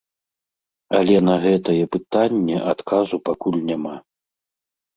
Але на гэтае пытанне адказу пакуль няма.